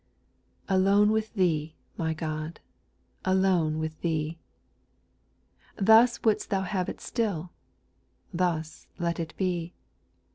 A LONE with Thee, my God 1 alone with A Thee ! Thus would^st Thou have it still — thus let it be.